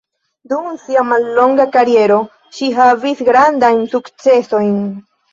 Dum sia mallonga kariero ŝi havis grandajn sukcesojn.